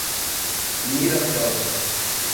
Miraselva